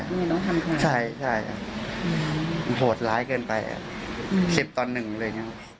ไม่ต้องทำความรู้สึกค่ะใช่โหดร้ายเกินไปคลิปตอนหนึ่งเลย